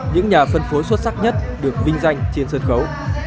những nhà phân phối xuất sắc nhất được vinh danh trên sân khấu